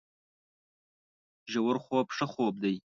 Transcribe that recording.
ژورخوب ښه خوب دی